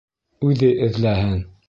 Үҙе эҙләһен!